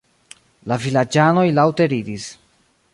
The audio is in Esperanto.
La vilaĝanoj laŭte ridis.